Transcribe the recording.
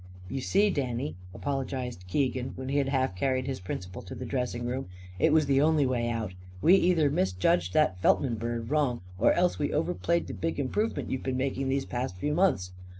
"You see, Danny," apologised Keegan, when he had half carried his principal to the dressing room, "it was the only way out. We either misjudged that Feltman bird wrong or else we overplayed the big improvement you've been making these past few months.